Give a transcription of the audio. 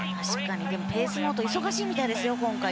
でもペースノート忙しいみたいですよ、今回。